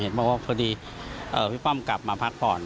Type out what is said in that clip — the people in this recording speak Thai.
เห็นหรือว่าพี่ป้อมกลับมาพักผ่อน